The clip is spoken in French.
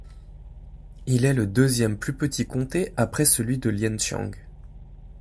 Il est le deuxième plus petit comté après celui de Lienchiang.